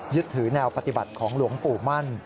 ยึดถือแนวปฏิบัติของหลวงปู่มั่น